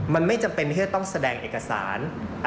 มันไม่จำเป็นที่จะต้องแสดงเอกสาร